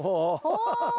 お！